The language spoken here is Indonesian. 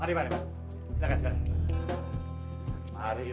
mari mari silahkan silahkan